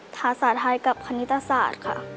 ฐาสาท้ายกับคณิตศาสตร์ค่ะ